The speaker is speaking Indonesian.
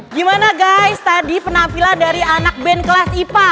gimana guys tadi penampilan dari anak band kelas ipa